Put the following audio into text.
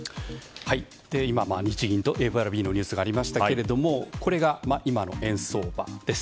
今、日銀のニュースがありましたがこれが今の円相場です。